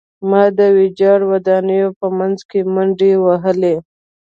ما د ویجاړو ودانیو په منځ کې منډې وهلې